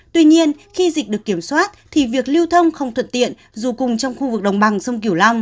tuy nhiên khi dịch được kiểm soát thì việc lưu thông không thuận tiện dù cùng trong khu vực đồng bằng sông kiểu long